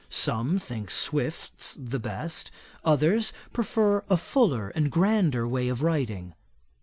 Some think Swift's the best; others prefer a fuller and grander way of writing.'